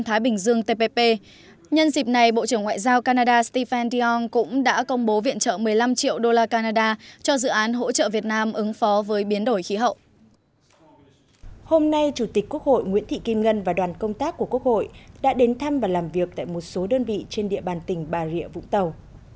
hôm nay chủ tịch quốc hội nguyễn thị kim ngân và đoàn công tác của quốc hội đã đến thăm và làm việc tại một số đơn vị trên địa bàn tỉnh bà rịa vũng tàu